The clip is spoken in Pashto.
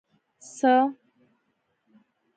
څه